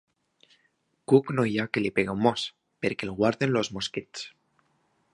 Cuc no hi ha que li pegue un mos, perquè el guarden els mosquits.